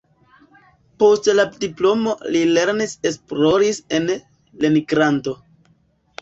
Post la diplomo li lernis-esploris en Leningrado.